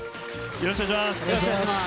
よろしくお願いします。